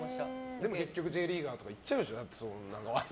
でも結局Ｊリーガーとかに行っちゃうでしょ？